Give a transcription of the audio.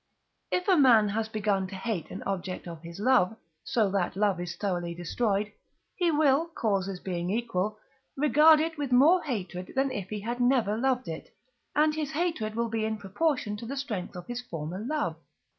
If a man has begun to hate an object of his love, so that love is thoroughly destroyed, he will, causes being equal, regard it with more hatred than if he had never loved it, and his hatred will be in proportion to the strength of his former love.